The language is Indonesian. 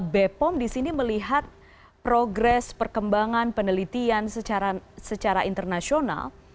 bepom di sini melihat progres perkembangan penelitian secara internasional